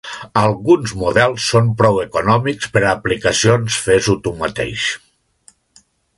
Alguns models són prou econòmics per a aplicacions fes-ho tu mateix.